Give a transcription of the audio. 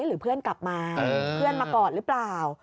หรือเพื่อนกลับมาเพื่อนมากอดหรือเปล่า